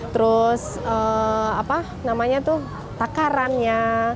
terus apa namanya tuh takarannya